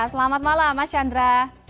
selamat malam mas chandra